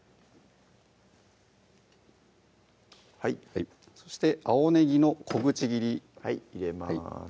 はいはいそして青ねぎの小口切り入れます